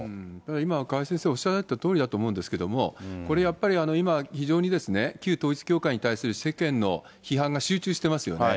今、川井先生おっしゃられたとおりだと思うんですが、これやっぱり今、非常に旧統一教会に対する世間の批判が集中してますよね。